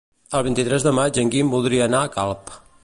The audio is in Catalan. El vint-i-tres de maig en Guim voldria anar a Calp.